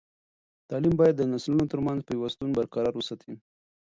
تعلیم باید د نسلونو ترمنځ پیوستون برقرار وساتي.